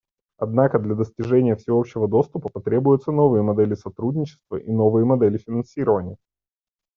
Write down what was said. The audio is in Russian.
Однако для достижения всеобщего доступа потребуются новые модели сотрудничества и новые модели финансирования.